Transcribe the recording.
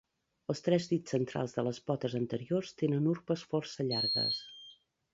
Els tres dits centrals de les potes anteriors tenen urpes força llargues.